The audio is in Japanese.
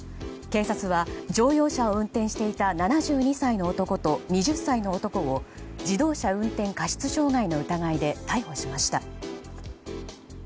警察は乗用車を運転していた７２歳の男と２０歳の男を自動車運転過失傷害の疑いで逮捕しました。